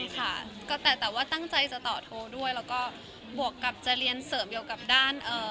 ค่ะก็แต่แต่ว่าตั้งใจจะต่อโทรด้วยแล้วก็บวกกับจะเรียนเสริมเกี่ยวกับด้านเอ่อ